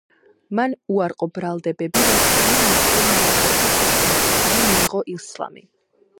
მან უარყო ბრალდებები, რომ სანა მუსლიმ მამაკაცზე ქორწინების გამო მიიღო ისლამი.